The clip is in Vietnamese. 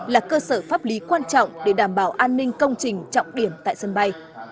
một pháp lý quan trọng để đảm bảo an ninh công trình trọng điểm tại sân bay